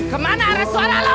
kemana ada suara lu